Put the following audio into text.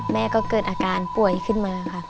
แม่ก็เกิดอาการป่วยขึ้นมาค่ะ